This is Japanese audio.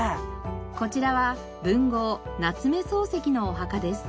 こちらは文豪夏目漱石のお墓です。